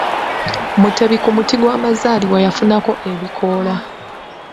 Mutebi ku muti gw'Amazaalibwa yafunako ebikoola.